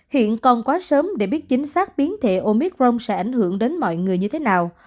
hiện còn quá sớm để biết chính xác biến thể omicron sẽ ảnh hưởng đến mọi người như thế nào